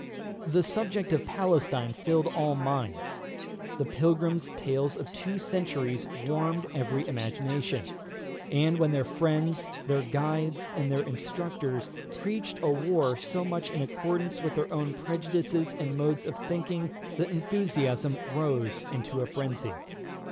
The subject of Palestine filled all minds; the pilgrims' tales of two centuries warmed every imagination; and when their friends, their guides, and their instructors preached a war so much in accordance with their own prejudices and modes of thinking, the enthusiasm rose into a frenzy.